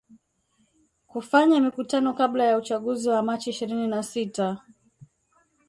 kufanya mikutano kabla ya uchaguzi wa machi ishirini na sita